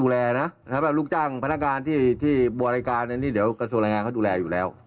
ถ้าแบบลูกจ้างพนักงานที่บัวรายการเนี่ยนี่เดี๋ยวกระทรวงรายงานเขาดูแลอยู่แล้ว